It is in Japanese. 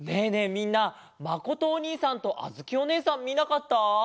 みんなまことおにいさんとあづきおねえさんみなかった？